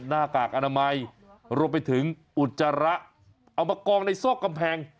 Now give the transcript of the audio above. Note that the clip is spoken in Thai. หน้ากากอนามัยรวมไปถึงอุจจาระเอามากองในซอกกำแพง